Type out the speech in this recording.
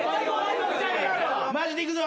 マジでいくぞ。